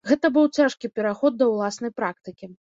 Гэта быў цяжкі пераход да ўласнай практыкі.